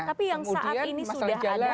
tapi yang saat ini sudah ada